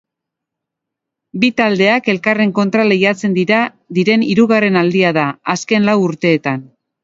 Bi taldeak elkarren kontra lehiatzen diren hirugarren aldia da, azken lau urteetan.